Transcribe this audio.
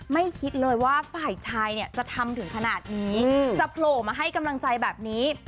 คิดเลยว่าฝ่ายชายเนี่ยจะทำถึงขนาดนี้จะโผล่มาให้กำลังใจแบบนี้